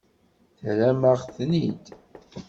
Terram-aɣ-ten-id.